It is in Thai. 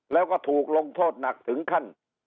แล้วก็ถูกลงโทษหนักถึงขั้น